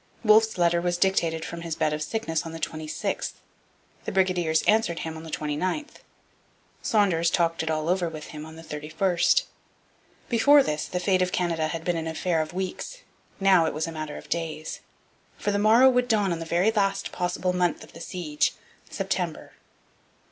Wolfe's letter was dictated from his bed of sickness on the 26th. The brigadiers answered him on the 29th. Saunders talked it all over with him on the 31st. Before this the fate of Canada had been an affair of weeks. Now it was a matter of days; for the morrow would dawn on the very last possible month of the siege September.